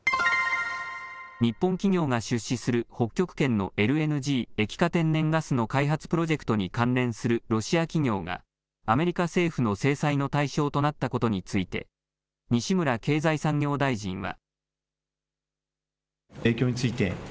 日本企業が出資する北極圏のＬＮＧ・液化天然ガスの開発プロジェクトに関連するロシア企業が、アメリカ政府の制裁の対象となったことについて、西村経済産業大臣は。